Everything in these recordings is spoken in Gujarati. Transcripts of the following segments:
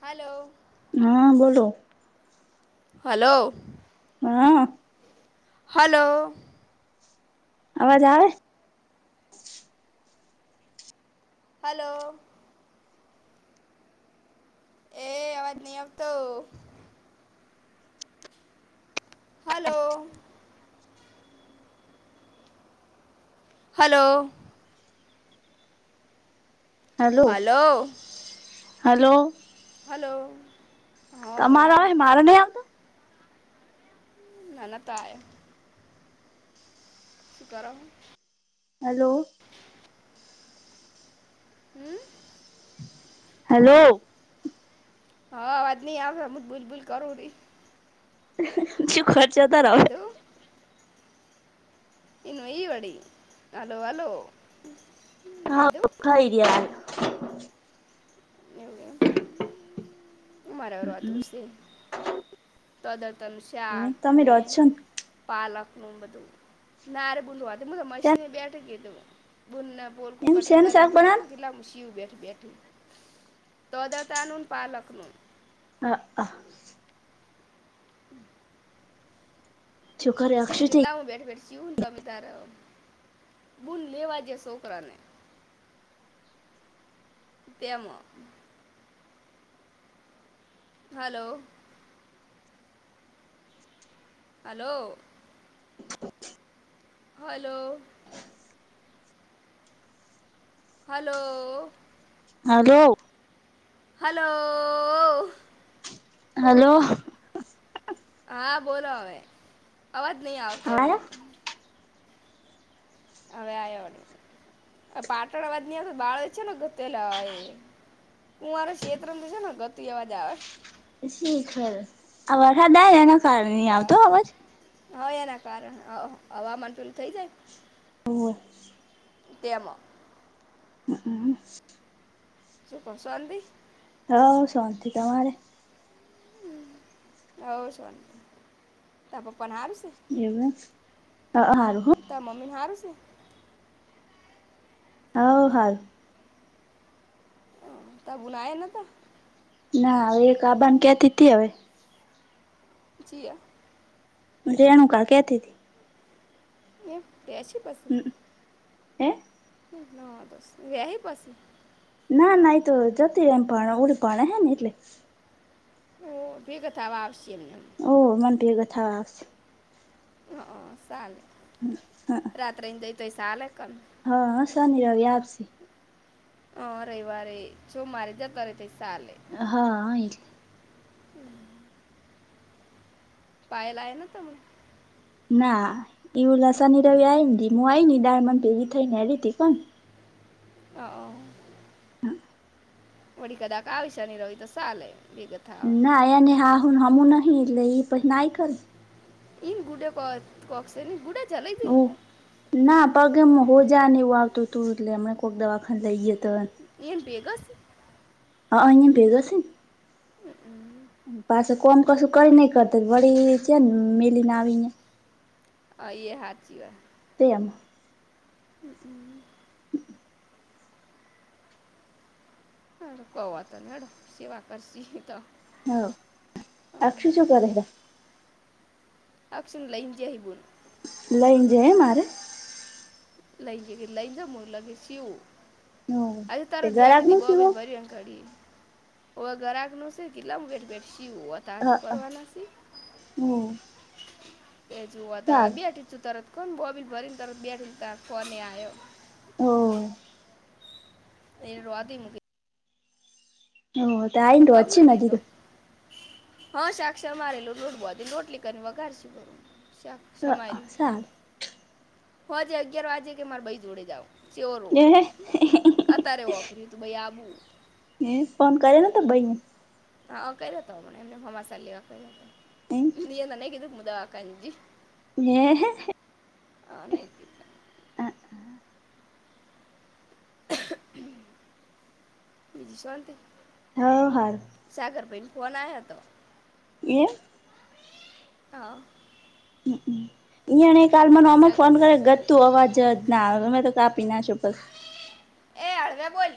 હલો. હા બોલો. હલો. હા. હલો. અવાજ આવે? હલો. એ અવાજ નહીં આવતો. Hello. Hello. Hello. Hello. Hello. હા હવે તમારા આયો હોય મારે ને ના ના તાય [unintelligible] શ ગરમ હલો. હમ. હેલો. હા અવાજ નહી આવે હમું જ બૂલ બૂલ કરું. જોું ખર્ચા તો રહ [unintelligible] કાધું એનું એ વડી હલો હલો. હા કાધું પ એ રહિયા [unintelligible] નિવડીમ [unintelligible] હ મારા વાતું છે તોદર તન હમ તમે શાખને રોજ છો પાલક નું બધું, નારે બૂદધા ને મશીને બેઠ કીધું બૂને બોલ એમ કટિંગ શેનું શાક કરલાું પડી તોું ગલામાં સી બેઠ બેઠી. તોદ તાન પાલકનું. હ અ હમ [inaudible] શુક્રિયા [unintelligible] કેટલા હું બેઠ બેઠ છુંને તમે તારે બૂન લેવા જ છોકરાને. તેમ. Hello. Hello. Hello. Hello. Hello. Hello. Hello. હા બોલો હવે અવાજ નહી આવતો હા એમાં. હવે આવ્યા, પાટણવાદ ની તો બાળક છે ને. પેલા હય હું, મારો શ્ષેત્રર તો છે ને ગતું અવાજ આવે. શીખર આ વરસાદ આ એના કારણે નહી આવતો અવાજ. હા એના કારણે હવામાન તુલું થઈ જાય. હોવેર [unintelligible] તેમ. હ હમ [unintelligible] [unintelligible] હ શાંતિ તમારે? હ હોવ છોને, તો તા પપ્પાને હારુ સે? એવું હારુ હ. તા મમ્મીને હારું છે? હા હાલ [unintelligible] તબૂનાય નતા? ના હ એક આબાન ક્યાંથી થી હવે. જીયા. રેણુકા કેતી તી. એમ કે સે પસુ હે ન દસ વયા હ પાછી. ના ના એ તો જતી રમ પ ઉડી પાણે હે ને એટલે. ઓ અ બેગતા વા આવશ્યમ નમ. ઓ મન પ્રિયા કથ વા આપ. હમ્મ-હમ્મ સાલે. હમ્મ, હા. રાત્રેન ગઈ તોય સાલે કન. હા, હા, શનિ રવિ આવશે. અહ રવિવારે, ચોમારે જતા રે તોય સાલે હા, ઈજ. પાયા લાયા ના તમે. ના, ઈ ઓલા શનિ રવિ આઈ ન, દીમું આઈન ઈ [unintelligible] થઈ ને આવી તી [unintelligible] અહં. વડી કદાક આવ શની રવિ તો સાલે. ના એને હાહું હમું નહીં એટલે ઈ પછી ના આયે ખરેન. [unintelligible] ઓહ, ના પગમાં હોજા ને એવું આવતું તું, એટલે અમે કોક દવાખાને લઈ ગયા તા એન. એ એન ભેગાં સે? અહં એન ભેગા સેન. [unintelligible] કોન કશું કઈ નઈ કરતું, વડી ચેન મિલીને આવીનેં. અહ ઈ એ હાચી વાત. તેમ. હમ્મ-હમ્મ. [unintelligible] કોવા તોનેડો સેવા કરશી ઈ તો. હોવ. અક્ષું શું કરે હે? અક્ષુંન લઈન જહી [unintelligible] લઈન જઈ એમ હારે? [unintelligible] હોવે હજી તાત તે ગરાક બેઠીથી નું સીવો બોબીલ ભર્યું અન કઢી. હવે ઘરાકનું સે કેટલામ વેટ બેેઠ શીઉ હતા હજુ હ કરવાના સી. હોવે એજુ વધાવે સાલ બેઠી છું તરત કોન બોબીલ ભરી તરત બેઠીન તા ફોને આયો. હો. [unintelligible] હો, તો આઈન તું આવશું અછી દે તો [unintelligible] હા શાક સમારેલું, લોટ ગોંદી રોટલી કરીન, વઘારશું પહીં. ચા હ ચમારી સાલ હોજ અગિયાર વાજે કે મારે ભઈ જોડે જાવ. ચ્યોરું એ હોય, હે અત્યારે [unintelligible] ઈ ફોન કરેલો હતો ભઈને. અહં કર્યો તો એમને હમાસાલી કર્યો, [unintelligible] હું દવાખાને જઈ. [inaudible] અહ નઈ. બીજું શાંતી? હોવ હારું. સાગરભાઈનો ફોન આયો તો. એમ. હા. હમ્મ-હમ્મ. ઈંયારે કાલ મને હામો ફોન કયરો સાગરભાઈ ગતું અવાજ જ ના આવે, મે તો કાપી નાખ્યો પસ એ હળવે બોલ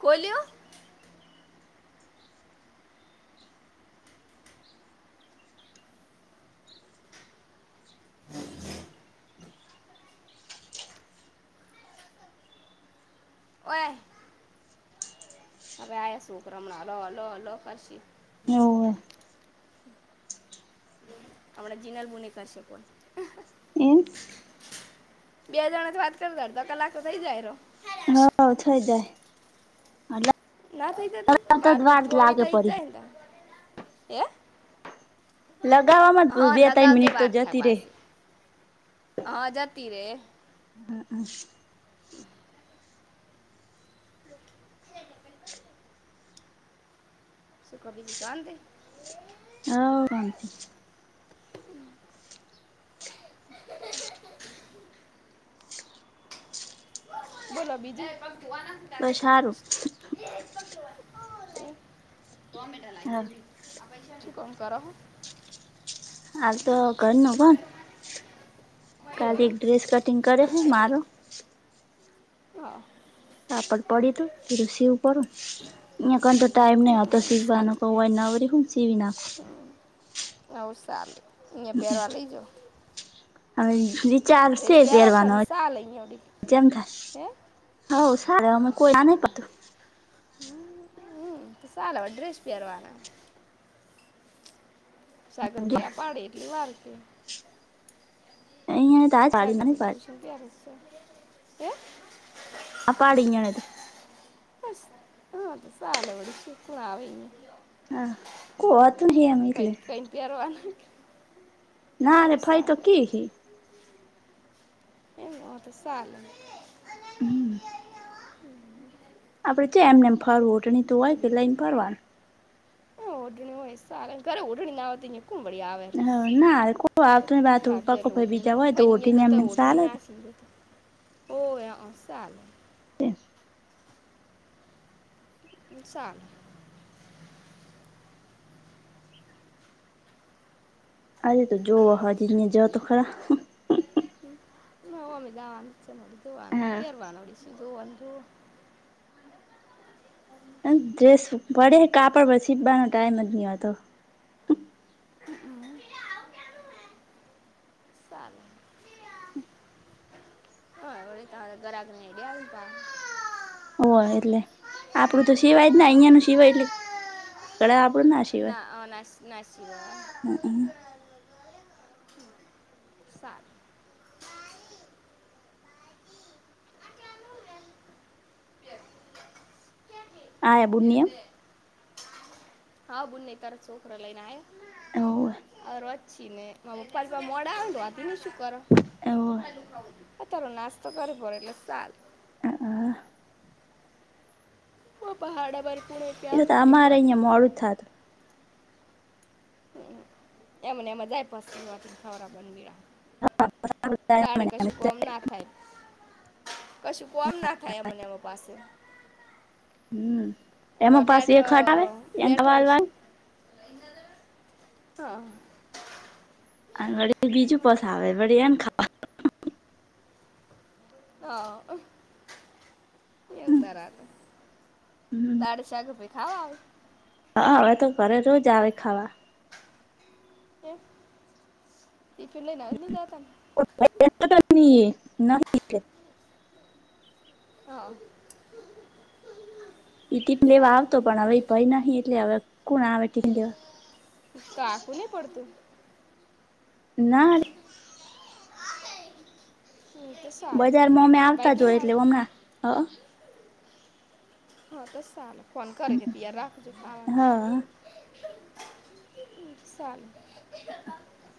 ખોલી્યો? ઓય. હવે આયા સોકરા હમણાં લ-લ-લ કરશે. હોવે હમણા જિનલ મુની કરશે ફોન. એમ. બે જણા જ વાત કરતા, અડધો કલાક તો થઈ જાયરો. હ થઈ જાય [inaudible] ના થઈ જ ત લગાવતા બાર જ દે વાર ચોવી લાગે થઇ જ પરી જાય ને ત હે? લગાવવામાં હા બે ત્રણ લગાવતી મિનિટ વાર તો થ જતી રે પાસે હા જાતી રે હા હ હ સુખ બીજી શાંતે? હ કંત બોલો બીજું? બસ સારું છ મિટ લાગ દ હા પૈસા કોણ કરવ? હાલ તો ઘર ન કો કાલી એક એવું ડ્રેસ કટિંગ કરે છે મારો. હા આપડ પડી દું પ રસીવ કરું અહીયા ક તો ટાઈમ નહ હતો. તો હમ, શીખવા સારું કવાય ના વરી હમસીીવી નાખ. નવ સાલે અહીં પહેરવા લઈજો. હવે રચાર્જશે ડ્રેસ પહેરો પહેરવાનો કન સાલ અહીંયા ઉડી જેમ થાય? હે હવ સાર અમે કોઈ ના ન પાડતું. હ હ તો સલે ડ્રેસ પહેરવાના. સાગર ભૈયા પાાડે એટલી વાર કે અહિયાં તો આ પાડી જગા પે ના જ પાડી આવવશ્ય [inaudible] હે? આ પાડીઈ તો હા તો સલ બડી ખરાબ હો. હા કો હતું નહી એમ ફૈ એટલે ને કઈને પહેરઅના ના રે ભાઈ તોકી હ એમ તો સલે હમ આપડે જે એમનેમ ફરવું તો શું હોય પેલા એમ ફરવા. હ ઓઢણી હોય સ ઘરે ઓઢણી નાતીં. હ ના કોતો વાતો બહાર તો પાકો એટલે ભાઈ બીજા ઓઢણી હોય તો ફઈને અહીંયા ઓઠીને એમનેમ સાલે જ. [inaudible] હો એ અ સા [unintelligible] નુકસાન અરે તો જોવો હજીને જઓ તો ખરા નામી દાવાન છેડી દુંવાનું હા પહેરવાનું ઓડી [unintelligible] ડ્રેસ પડે કાપડ પર સીપવાનો ટાઈમ જ નહીં હતો. સારું તારા ઘરે આંગડે રડ્યા આવી તા? હોય એટલે આપડું તો સિવાય જ ને અહિયાં નુ સિવાય એટલે કળા આપડું ના સિવાય. નાસીવાય. હમ હમ. સાત. હા બુણ્યમ. હા બુનને તાર ચોખરો લય ના આય એમ અરોજ પછી ને મારા પપ્પા થોડા મોડા આવન વાંધીને શું કર? તારો નાસ્તો કર પડ એટલે ચાલ અ હા. હ પહાડા પર પુણે ક્યાં આવી એક વાથી. અરુથાત. એમને એમને [unintelligible] થતું દાડે કશું કોમ ના થાય. કશું કોમ ના થાય એમને એમાં પાસું. હમ એમાં પાસે રોનેટ એ ખટ આવે એમ બેઠો [unintelligible] હા. વળ બીજું પસા આવે વળી એમ ખા હા ખાવા હ તાર દાડ શાખ ભ ખાવ આવ. હા હવે તો ઘરે રોજ આવે ખાવા. કેમ ટિફિન લઈનાને જતાને? [inaudible] [inaudible] હા. ઈ ટીપ લેવા આવતો સારું પણ હવે ભાઈ નહી એટલે હવે કોણ આવે ટીપ લેવા. કાકું નહી પડતું. ના રે. [unintelligible] બજારમાં અમે આવતા બાઈક જોય લઈને આવે એટલે હમણાં હ. હા તો ચાલે ફોન કરે કે તૈયાર રાખજો હ ખાવાનું. હા [inaudible] [inaudible]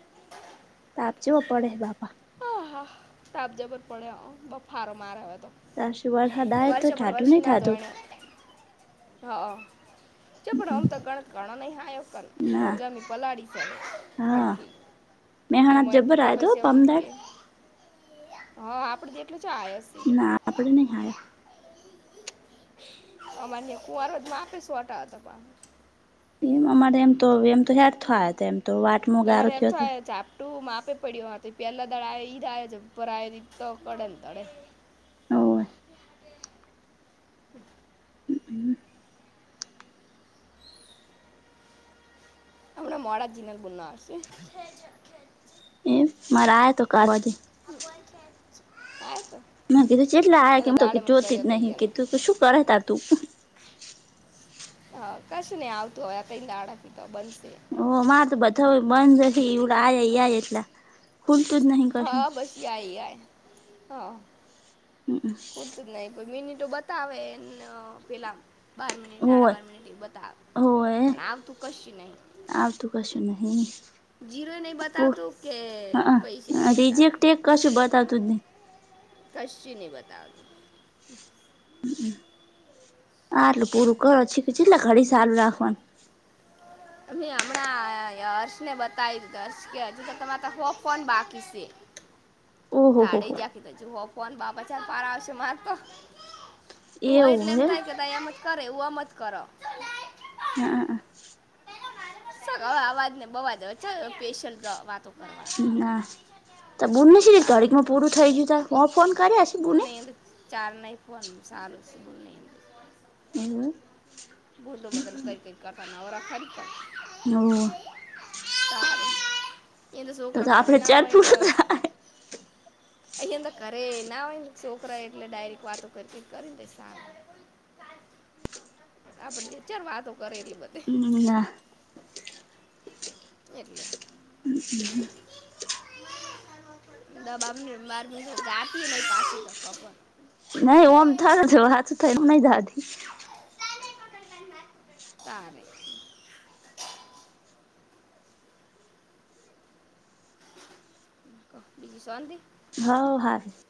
[inaudible] તાપ ચોવો પડે બાપા. હા હા તાપ જબર પડે હ બફારો મારે હવેતો. તારશું વરસાદ આવે તો વર્ષે પણ ઠાટું વર્ષી નહી ના થતું જોણે એને હા. ચ પણ હમ તો ગણ કર નહી આયો ક ના જમી પલાળી છે, હા હરખી. મેહાણા એમાં એ જબ્બર દીતા આયો પ તો એમ પમદાડ કે હા આપડે જેટલું જ [unintelligible] ના આપડે નહી આયો. અમાર કુંવારવા મા રાતે સુંટા હતા. એમ અમારે એમ તો એમ તો યાદ થ હતા એમ તો વાટમાં ગારો થયો હતો. ટું માપે પડીથી પેલા દાડ ઈ જ છે ઉપર આવી ર તો કડે ને તડે. હોવે આપણા મરાાર જિનેસ બોના હશે. એમ મારા આયો તો [unintelligible] [inaudible] મે કીધું ચેટલા આ આયા કેમ તો દાડે મને જોતી કર્યો જ તો ઈ નહી એને કીધું કે શું કરે તાર તું. હા કશું નહીં આવતું હોય આ ત આડકી તો બનશે. ઓ મારે તો બધું બંધ શે આયા ઈ આયા ખુલતું જ નહી કશું. [unintelligible] હમ. જ નહી પણ મિનિટો બતાવે એ પેલામ. બાર મિનિટ સાડા હોવે બાર મિનિટ એ બતાવે હોવે પણ આવતું કશું નહી. આવતું કશું નહી. જીરો નહી બતાવતું કે અ પૈસે નહી બતાવે. રિજેક્ટ એક કશું બતાવતું જ નહીં કશું નય બતાવે. હ આ આટલું પૂરું કરો કે છેટલા ઘડી ચાલું રાખવાનું? [inaudible] મેં હમણાં હર્ષને બતાવી દીધ હર્ષ કે હજુ તો તમારે તો હો ફોન બાકી છે. ઓહો હો તાડે હો [unintelligible] આવશે મારે તો હોય એટલે એમ થાય કે ત એમ જ કરે એવું એમ જ કરો. હા. ચલ અવે અવાજને બવાજ હવે ચલ પેશન્ટ જોડ વાતો કરે ના તો બૂનને તડીકમાં પૂરું થઈ ગયું ત હ ફોન કર્યા છે બુન બુને નય ચાર નઈ ફન સારું બુન નય. હમ.. [unintelligible] બદલ કઈક કતાના નવરા ખરી. હવ. તારે. એ તો શૌકરો ઘરે આપડે ન ચાર હોય તો પૂરું જ. થાય એટલે અહીંયા ઘરે ના હોય ને છોકરા એટલે ડાયરેક્ટ વાતો કરી કરી ને સારું. આપડે બે ચાર વાતો કરે એટલી બધી. હમ ના. એટલે. હ. દબામ [unintelligible] નહી ઓમ થ હાથ થાય નહી તારથી. તારે. કો બીજું સોન્તી? હવ હારૂ.